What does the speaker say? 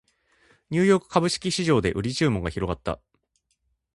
ニューヨーク株式市場で売り注文が広がった